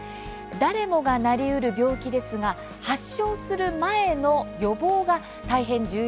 誰もがなりうる病気ですが発症する前の予防が大変重要だとされています。